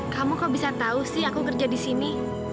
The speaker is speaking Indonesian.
kamu kok bisa tahu sih aku kerja di sini